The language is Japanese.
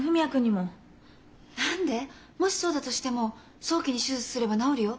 もしそうだとしても早期に手術すれば治るよ。